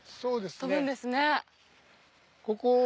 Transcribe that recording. そうですね。